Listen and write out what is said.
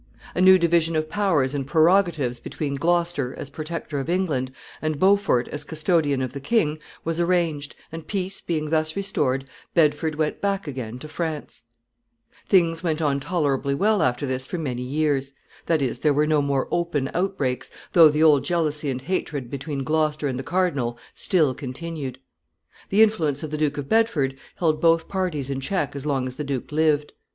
A new division of powers and prerogatives between Gloucester, as Protector of England, and Beaufort, as custodian of the king, was arranged, and peace being thus restored, Bedford went back again to France. [Sidenote: Death of Bedford.] Things went on tolerably well after this for many years; that is, there were no more open outbreaks, though the old jealousy and hatred between Gloucester and the cardinal still continued. The influence of the Duke of Bedford held both parties in check as long as the duke lived.